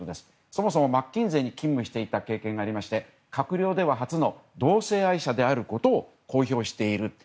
そもそもマッキンゼーに勤務していた経験がありまして閣僚では初の同性愛者であることを公表している。